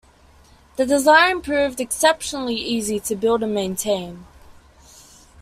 The design proved exceptionally easy to build and maintain.